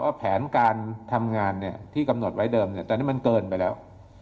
แผนการทำงานที่กำหนดไว้เดิมตอนนี้มันเกินไปแล้ว